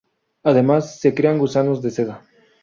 Además, se crían gusanos de seda.